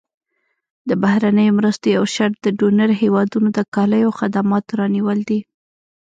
د بهرنیو مرستو یو شرط د ډونر هېوادونو د کالیو او خدماتو رانیول دي.